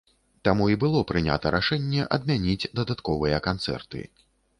Таму і было прынята рашэнне адмяніць дадатковыя канцэрты.